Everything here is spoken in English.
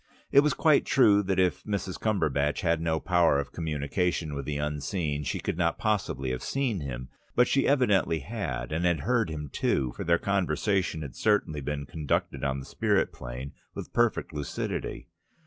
It was quite true that if Mrs. Cumberbatch had no power of communication with the unseen she could not possibly have seen him. But she evidently had, and had heard him too, for their conversation had certainly been conducted on the spirit plane, with perfect lucidity.